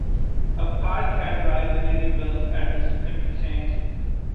A park-and-ride may be built at this interchange.